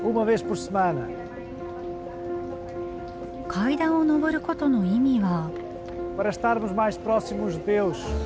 階段を上ることの意味は？